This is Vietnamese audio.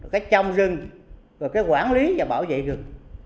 cái trồng rừng và cái quản lý và bảo vệ rừng